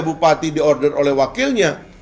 bupati di order oleh wakilnya